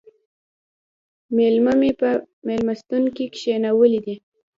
مېلما مې په مېلمستون کې کښېناولی دی